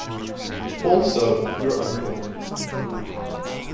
Also your uncle.